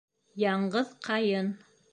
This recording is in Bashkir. ЯҢҒЫҘ ҠАЙЫН